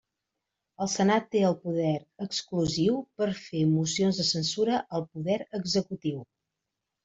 El Senat té el poder exclusiu per fer mocions de censura al poder executiu.